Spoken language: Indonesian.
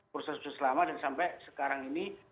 proses proses lama dan sampai sekarang ini